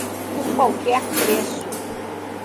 Por qualquer preço.